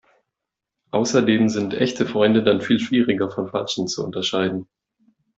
Außerdem sind echte Freunde dann viel schwieriger von falschen zu unterscheiden.